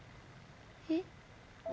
えっ？